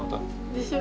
でしょ。